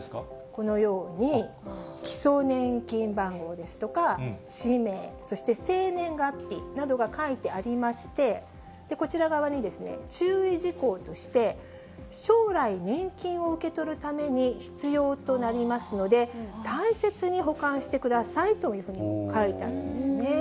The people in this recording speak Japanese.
このように、基礎年金番号ですとか、氏名、そして生年月日などが書いてありまして、こちら側に注意事項として、将来年金を受け取るために必要となりますので、大切に保管してくださいというふうに書いてあるんですね。